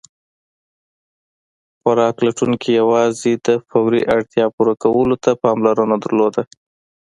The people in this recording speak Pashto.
خوراک لټونکي یواځې د فوري اړتیاوو پوره کولو ته پاملرنه درلوده.